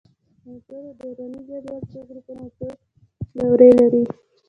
د عنصرونو دوراني جدول څو ګروپونه او څو دورې لري؟